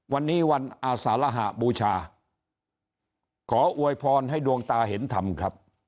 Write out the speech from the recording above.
วันนี้วันอาสารหะบูชาขออวยพรให้ดวงตาเห็นธรรมครับ